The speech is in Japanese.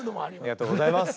ありがとうございます。